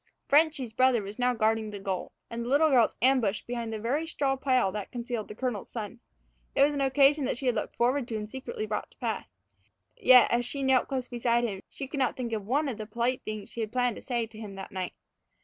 "Frenchy's" brother was now guarding the goal, and the little girl was ambushed behind the very straw pile that concealed the colonel's son. It was an occasion that she had looked forward to and secretly brought to pass, yet, as she knelt close beside him, she could not think of one of the polite things she had planned to say to him that night.